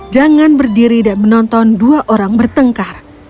jangan berdiri dan menonton dua orang bertengkar